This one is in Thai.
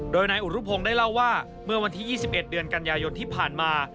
โดยนายอุรุพงศ์ได้เล่าว่าเมื่อวันที่๒๑เดือนกันยายนที่ผ่านมา